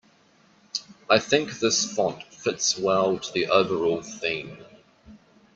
I think this font fits well to the overall theme.